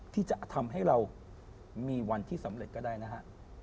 ที่จะทำให้เรามีวันที่สำเร็จก็ได้นะฮะ